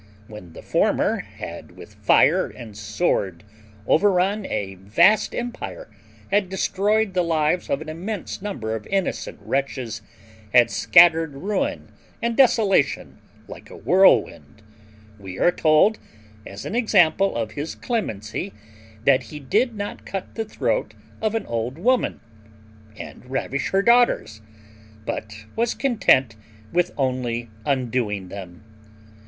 When the former had with fire and sword overrun a vast empire, had destroyed the lives of an immense number of innocent wretches, had scattered ruin and desolation like a whirlwind, we are told, as an example of his clemency, that he did not cut the throat of an old woman, and ravish her daughters, but was content with only undoing them.